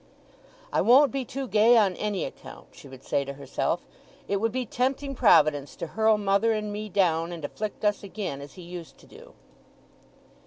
"I won't be too gay on any account," she would say to herself. "It would be tempting Providence to hurl mother and me down, and afflict us again as He used to do."